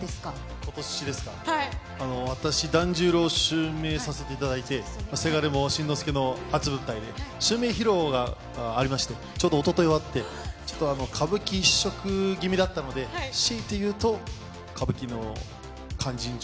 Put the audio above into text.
ことしですか、私、團十郎襲名させていただいて、せがれも、新之助の初舞台で、襲名披露がありまして、ちょうどおととい終わって、ちょっと歌舞伎一色気味だったので、しいて言うと、歌舞伎の勧進帳。